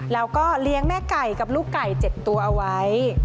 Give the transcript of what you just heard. แล้วก็เลี้ยงแม่ไก่กับลูกไก่๗ตัวเอาไว้